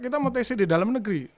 kita mau tc di dalam negeri